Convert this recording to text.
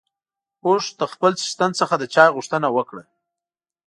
اوښ له خپل څښتن څخه د چای غوښتنه وکړه.